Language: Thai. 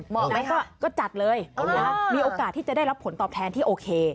ไหมก็จัดเลยมีโอกาสที่จะได้รับผลตอบแทนที่โอเค